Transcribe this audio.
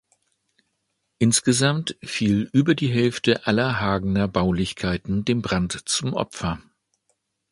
Insgesamt fiel über die Hälfte aller Hagener Baulichkeiten dem Brand zum Opfer.